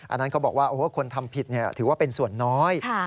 อันนั้นเขาบอกว่าคนทำผิดถือว่าเป็นส่วนน้อย